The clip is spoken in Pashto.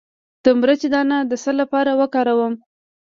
د مرچ دانه د څه لپاره وکاروم؟